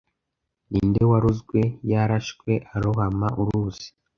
Ninde warozwe - yarashwe - arohama uruzi